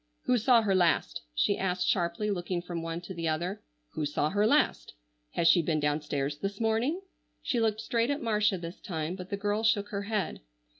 "Who saw her last?" she asked sharply looking from one to the other. "Who saw her last? Has she been down stairs this morning?" she looked straight at Marcia this time, but the girl shook her head.